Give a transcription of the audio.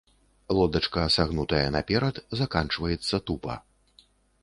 Лодачка сагнутая наперад, заканчваецца тупа.